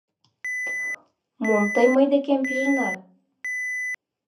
— Мом тый мый декем пижынат?